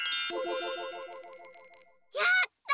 やった！